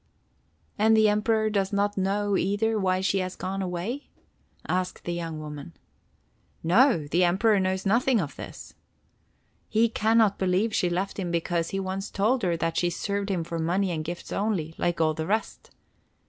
"And the Emperor does not know, either, why she has gone away?" asked the young woman. "No, the Emperor knows nothing of this. He can not believe she left him because he once told her that she served him for money and gifts only, like all the rest.